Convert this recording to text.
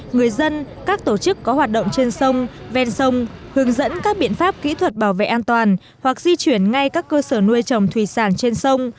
người dân các tổ chức có hoạt động trên sông ven sông hướng dẫn các biện pháp kỹ thuật bảo vệ an toàn hoặc di chuyển ngay các cơ sở nuôi trồng thủy sản trên sông